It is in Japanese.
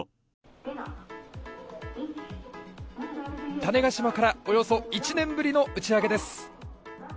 種子島からおよそ１年ぶりの打ち上げです。